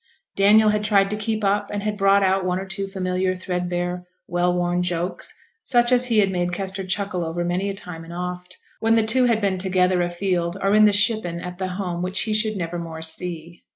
Daniel had tried to keep up and had brought out one or two familiar, thread bare, well worn jokes, such as he had made Kester chuckle over many a time and oft, when the two had been together afield or in the shippen at the home which he should never more see.